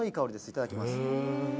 いただきます。